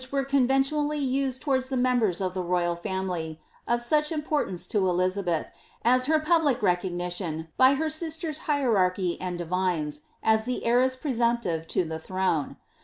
trndly used towaids the memben of the royal ikmily, of such impor luiee to Eliaheth, as her public recognition, by her sister's hierarchy and diviiiea, as the heiress presumptive to the throne.